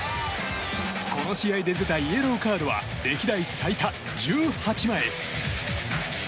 この試合で出たイエローカードは歴代最多１８枚。